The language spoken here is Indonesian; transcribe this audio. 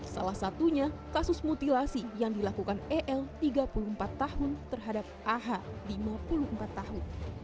salah satunya kasus mutilasi yang dilakukan el tiga puluh empat tahun terhadap ah lima puluh empat tahun